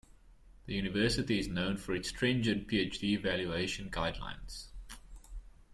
The university is known for its stringent Phd evaluation guidelines.